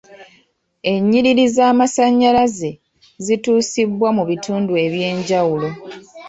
Ennyiriri z'amasannyalaze zituusibwa mu bintu ebyenjawulo.